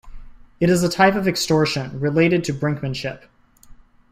It is a type of extortion, related to brinkmanship.